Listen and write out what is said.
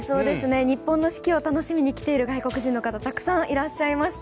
日本の四季を楽しみに来ている外国人の方もたくさんいました。